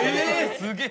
すげえ！